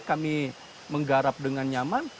kami menggarap dengan nyaman